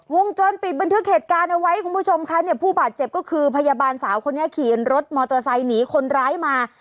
วงจรปิดบันทึกเหตุการณ์เอาไว้คุณผู้ชมค่ะเนี่ยผู้บาดเจ็บก็คือพยาบาลสาวคนนี้ขี่รถมอเตอร์ไซค์หนีคนร้ายมา